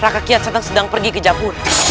raka kian santang sedang pergi ke jabura